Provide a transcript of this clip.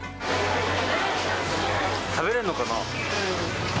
食べれるのかな？